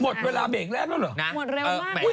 หมดเวลาเบรกแรกแล้วเหรอ